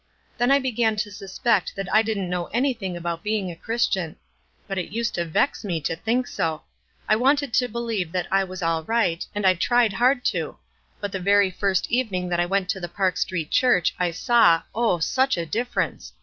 Then I began to suspect that I didn't know anything about being a Chris tian ; but it used to vex me to think so. I wanted to believe that I was all ricrht, and I tried hard to ; but the very first evening that I went to the Park Street Church I saw, oh 9 such a difference